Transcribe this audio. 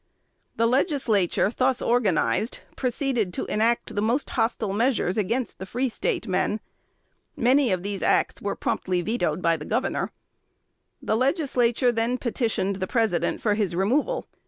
The Legislature thus organized proceeded to enact the most hostile measures against the Free State men. Many of these acts were promptly vetoed by the governor. The Legislature then petitioned the President for his removal.